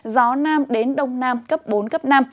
gió nam đến đông nam cấp bốn năm